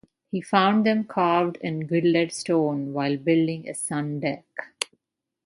He found them carved in gilded stone, while building a sun deck